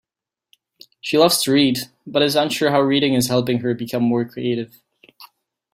She loves to read, but is unsure how reading is helping her become more creative.